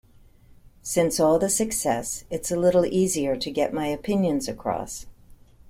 Since all the success, it's a little easier to get my opinions across.